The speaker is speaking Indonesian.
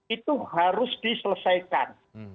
itu harus diselesaikan